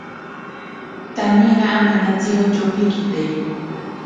Taniera amenatsiro tyopikite.